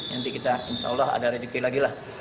nanti kita insya allah ada rediki lagi lah